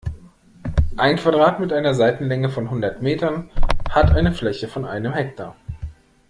Ein Quadrat mit einer Seitenlänge von hundert Metern hat eine Fläche von einem Hektar.